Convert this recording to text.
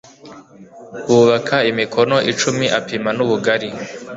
bubaka imikono icumi apima n ubugari